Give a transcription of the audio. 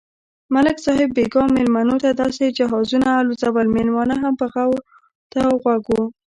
ملک صاحب بیگا مېلمنوته داسې جهازونه الوزول، مېلمانه هم په غور ورته غوږ و.